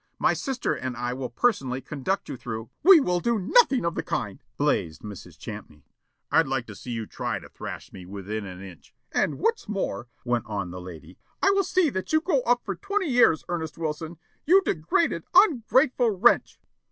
My sister and I will personally conduct you through, " "We will do nothing of the kind," blazed Mrs. Champney. "I'd like to see you try to thrash me within an inch " "And, what's more," went on the lady, "I will see that you go up for twenty years, Ernest Wilson, you degraded, ungrateful wretch."